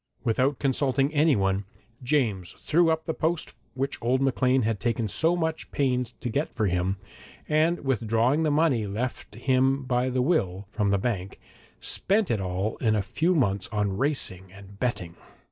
Without consulting anyone, James threw up the post which old Maclean had taken so much pains to get for him, and withdrawing the money left him by the will, from the bank, spent it all in a few months on racing and betting.